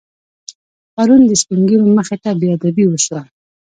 پرون د سپینږیرو مخې ته بېادبي وشوه.